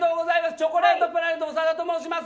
チョコレートプラネットの長田と申します。